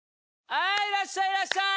はいいらっしゃいいらっしゃい！